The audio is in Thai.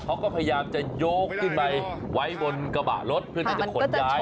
เขาก็พยายามจะโยกขึ้นไปไว้บนกระบะรถเพื่อที่จะขนย้าย